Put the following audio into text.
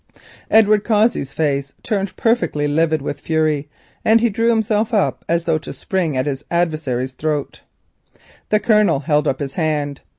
Edward Cossey's face turned perfectly livid with fury, and he drew himself up as though to spring at his adversary's throat. The Colonel held up his hand.